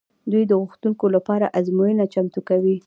دوی د غوښتونکو لپاره ازموینه چمتو کوي.